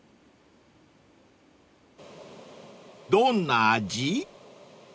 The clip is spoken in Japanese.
［どんな味？］